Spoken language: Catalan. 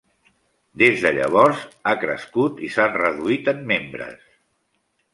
Des de llavors, ha crescut i s'han reduït en membres.